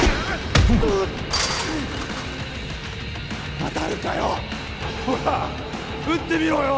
うっ当たるかよほら撃ってみろよ